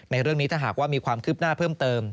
เรื่องนี้ถ้าหากว่ามีความคืบหน้าเพิ่มเติม